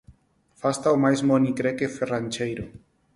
Fasta o mais monicreque ferrancheiro.